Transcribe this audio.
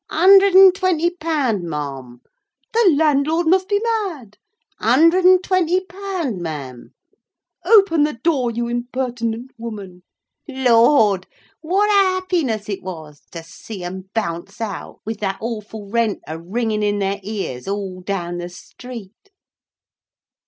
'—'Hundred and twenty pound, ma'am.'—'The landlord must be mad!'—'Hundred and twenty pound, ma'am.'—'Open the door you impertinent woman!' Lord! what a happiness it was to see 'em bounce out, with that awful rent a ringing in their ears all down the street!"